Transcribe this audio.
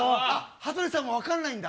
羽鳥さんも分かんないんだ。